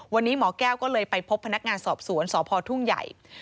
วันนี้หมอแก้วก็เลยไปพบพนักงานสอบสวนสพทุ่งใหญ่